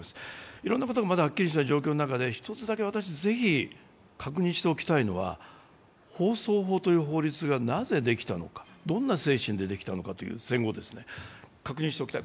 いろんなことがまだはっきりしない状況にある中で、１つだけぜひ確認しておきたいのは放送法という法律がなぜできたのか、どんな精神でできたのか、戦後ですね、確認しておきたい。